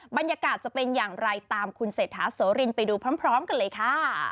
บรรยากาศจะเป็นอย่างไรตามคุณเศรษฐาโสรินไปดูพร้อมกันเลยค่ะ